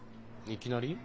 いきなり？